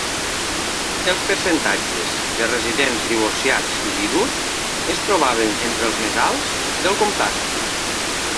Els percentatges de residents divorciats i vidus es trobaven entre els més alts del comtat.